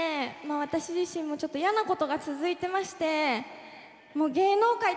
私自身もちょっと嫌なことが続いてまして。